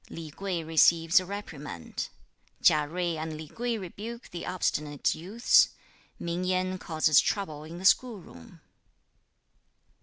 Li Kuei receives a reprimand. Chia Jui and Li Kuei rebuke the obstinate youths! Ming Yen causes trouble in the school room.